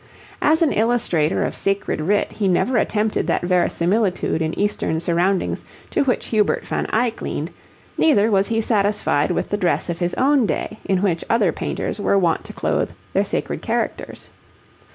As an illustrator of sacred writ he never attempted that verisimilitude in Eastern surroundings to which Hubert van Eyck leaned, neither was he satisfied with the dress of his own day in which other painters were wont to clothe their sacred characters.